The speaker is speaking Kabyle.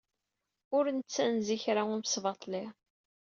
Ur nettanez i kra umesbaṭli.